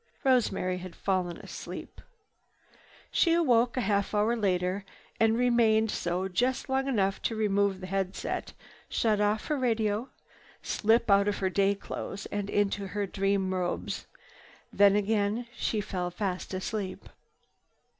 Rosemary had fallen asleep. She awoke a half hour later and remained so just long enough to remove the head set, shut off her radio, slip out of her day clothes and into her dream robes. Then again she fell fast asleep.